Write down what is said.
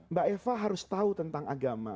mbak eva harus tahu tentang agama